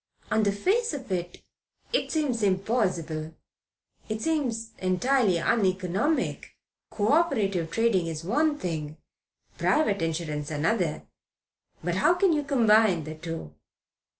"On the face of it, it seems impossible. It seems entirely uneconomic. Co operative trading is one thing; private insurance another. But how can you combine the two?"